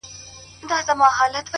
ډېر هوښیار دی مشرتوب لایق د ده دی-